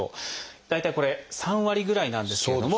大体これ３割ぐらいなんですけれども。